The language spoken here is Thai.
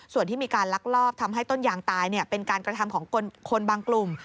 ส่วนที่มีการลักลอบทำให้ต้นยางตายเป็นการกระทำของคนบางกลุ่ม